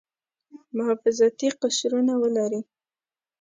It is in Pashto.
محافظتي قشرونه ولري.